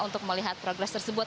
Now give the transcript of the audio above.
untuk melihat progres tersebut